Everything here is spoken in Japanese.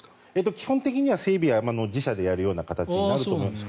基本的には整備は自社でやるような形になると思います。